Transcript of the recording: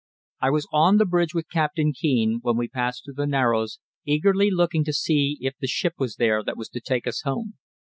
I was on the bridge with Captain Kean when we passed through the narrows, eagerly looking to see if the ship was there that was to take us home.